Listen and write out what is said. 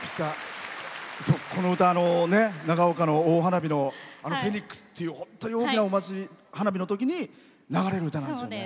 この歌、長岡の大花火のフェニックスっていう大きな花火のときに流れる歌なんですよね。